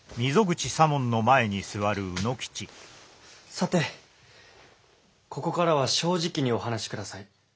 さてここからは正直にお話しください。